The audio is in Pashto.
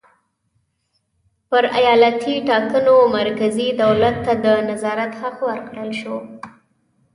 پر ایالتي ټاکنو مرکزي دولت ته د نظارت حق ورکړل شو.